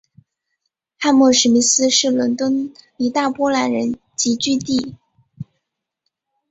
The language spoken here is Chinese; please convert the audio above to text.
汉默史密斯是伦敦的一大波兰人聚居地。